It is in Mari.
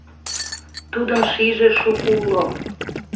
Тудын шийже шуко уло.